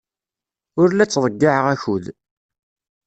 Ur la ttḍeyyiɛeɣ akud.